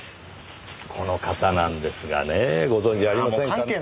この方なんですがねご存じありませんかね？